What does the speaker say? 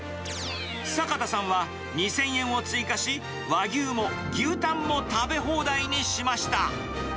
坂田さんは２０００円を追加し、和牛も牛タンも食べ放題にしました。